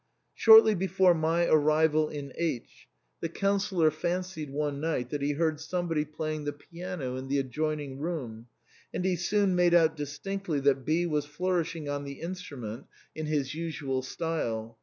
Shortly before my arrival in H , the Councillor fancied one night that he heard some body playing the piano in the adjoining room, and he soon made out distinctly that B was flourishing on the instrument in his usual style.